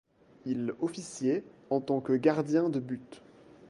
Il officiait en tant que gardien de but.